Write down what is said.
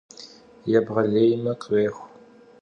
Yêbğelêyme — khrêxu.